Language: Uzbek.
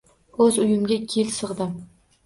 O`z uyimga ikki yil sig`dim